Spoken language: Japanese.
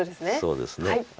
そうですね。